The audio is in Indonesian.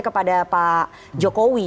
kepada pak jokowi